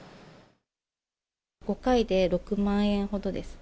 ５回で６万円ほどです。